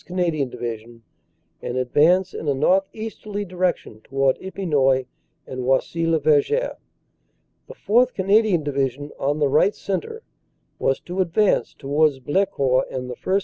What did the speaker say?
Canadian Division and advance in a northeasterly direction toward Epinoy and Oisy le Verger. The 4th. Canadian Divi sion on the right centre was to advance towards Blecourt and the 1st.